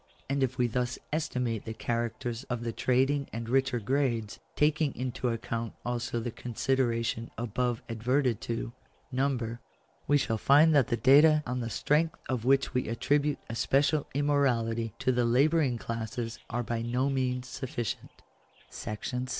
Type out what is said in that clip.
And if we thus estimate the characters of the trading and richer grades, taking into account also the consideration above adverted to — number — we shall find that the data on the strength of which we attribute especial immo rality to the labouring classes are by no means sufficient § 6.